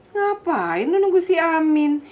ngapain lu nunggu si amin